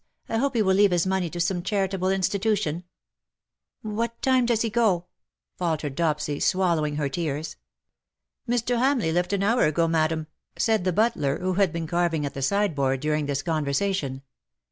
I hope he ■will leave his money to some charitable institution/' " What time does he go ?" faltered Dopsy. swallowing her tears. " Mr. Hamleigh left an hour ago, Madam/' said the butler, who had been carving at the side board during this conversation.